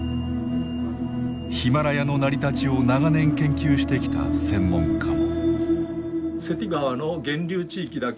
ヒマラヤの成り立ちを長年研究してきた専門家も。